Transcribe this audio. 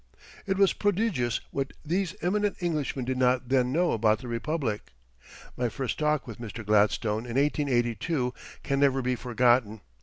It was prodigious what these eminent Englishmen did not then know about the Republic. My first talk with Mr. Gladstone in 1882 can never be forgotten.